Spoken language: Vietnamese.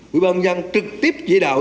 quỹ bàn dân trực tiếp chỉ đạo